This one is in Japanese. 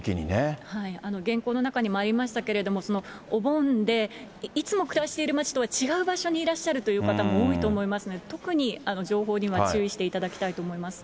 原稿の中にもありましたけれども、お盆で、いつも暮らしている町とは違う場所にいらっしゃるという方も多いと思いますので、特に情報には注意していただきたいと思います。